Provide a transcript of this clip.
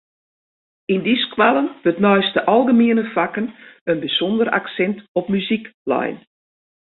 Yn dy skoallen wurdt neist de algemiene fakken in bysûnder aksint op muzyk lein.